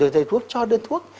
thầy thuốc cho đơn thuốc